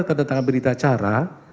tanda tangan berita acara